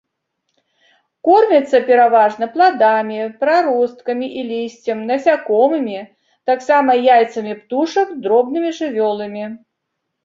Кормяцца пераважна пладамі, праросткамі і лісцем, насякомымі, таксама яйцамі птушак, дробнымі жывёламі.